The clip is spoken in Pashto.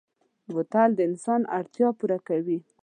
بوتل د انسان اړتیا پوره کوي.